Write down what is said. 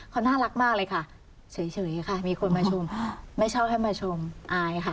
เขาน่ารักมากเลยค่ะเฉยค่ะมีคนมาชมไม่ชอบให้มาชมอายค่ะ